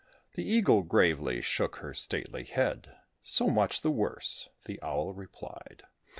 The Eagle gravely shook her stately head, "So much the worse," the Owl replied.